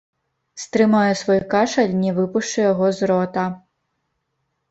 Стрымаю свой кашаль, не выпушчу яго з рота.